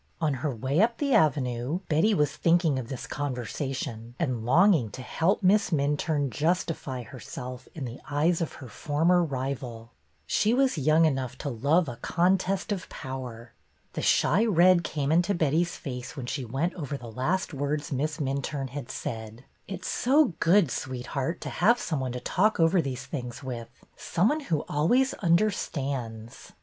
On her way up the Avenue, Betty was thinking of this conversation and longing to help Miss Minturne justify herself in the eyes of' her former rival. She was young enough to love a contest of power. The shy red came into Betty's face when she went over the last words Miss Minturne had said: It 's so good, sweetheart, to have some one to talk over these things with, some one who always understands."